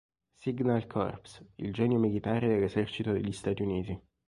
Signal Corps, il genio militare dell'esercito degli Stati Uniti.